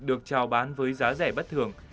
được trao bán với giá rẻ bất thường